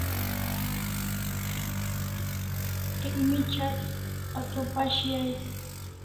Ek mi ch'at a to pashi ais